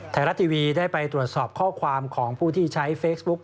ไทยรัฐทีวีได้ไปตรวจสอบข้อความของผู้ที่ใช้เฟซบุ๊ก